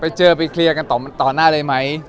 ไปเจอไปเคลียร์กันต่อหน้าเลยไหม